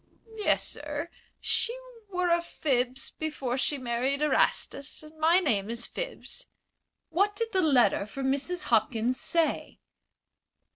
"Yes, sir. She were a Phibbs before she married Erastus, and my name is Phibbs." "What did the letter from Mrs. Hopkins say?"